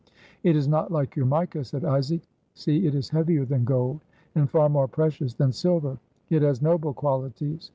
"It is not like your mica," said Isaac. "See, it is heavier than gold, and far more precious than silver. It has noble qualities.